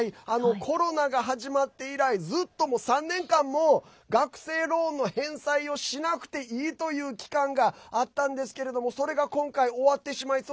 コロナが始まって以来ずっと３年間も学生ローンの返済をしなくていいという期間があったんですけれどもそれが今回終わってしまいます。